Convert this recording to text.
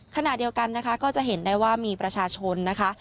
ขณะเดียวกันนะคะก็จะเห็นได้ว่ามีประชาชนนะคะ